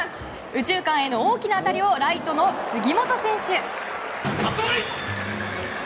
右中間への大きな当たりをライトの杉本選手。